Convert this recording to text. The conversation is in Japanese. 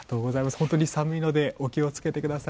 本当に寒いのでお気を付けください。